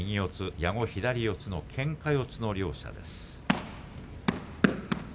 矢後左四つのけんか四つの両者です。